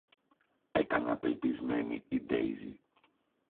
έκανε απελπισμένη η Ντέιζη